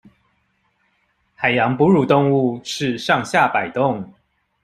海洋哺乳動物是上下擺動